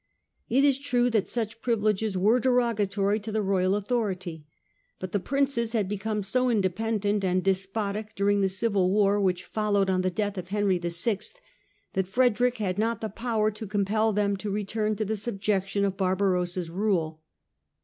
It is true that such privileges were derogatory to the royal authority ; but the Princes had become so inde pendent and despotic during the civil war which followed on the death of Henry VI, that Frederick had not the power to compel them to return to the subjection of Barbarossa's rule.